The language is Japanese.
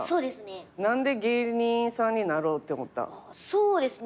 そうですね。